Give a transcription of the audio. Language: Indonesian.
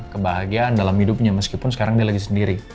kebahagiaan dalam hidupnya meskipun sekarang dia lagi sendiri